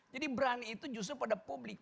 jadi berani itu justru pada publik